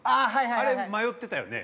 あれ迷ってたよね？